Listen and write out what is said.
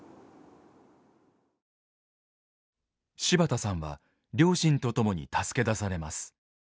柴田さんは両親と共に助け出されます。